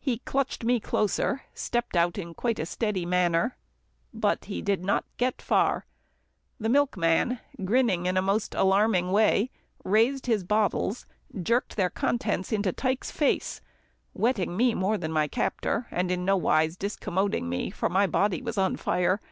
He clutched me closer, stepped out in quite a steady manner, but he did not get far the milkman, grinning in a most alarming way, raised his bottles, jerked their contents in Tike's face, wetting me more than my captor, and in no wise discommoding me, for my body was on fire.